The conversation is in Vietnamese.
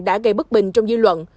đã gây bức bình trong dư luận